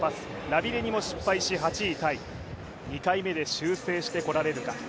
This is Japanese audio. ラビレニも失敗して８位タイ２回目で修正してこれるか。